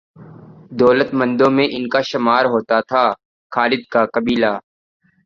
دولت مندوں میں ان کا شمار ہوتا تھا۔ خالد کا قبیلہ